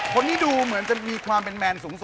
ผมให้ดูเหมือนจะมีความเป็นแบรนด์สูงสุด